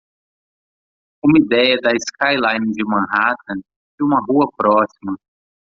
Uma ideia da skyline de Manhattan de uma rua próxima.